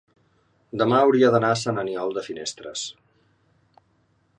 demà hauria d'anar a Sant Aniol de Finestres.